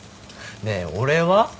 ねえ俺は？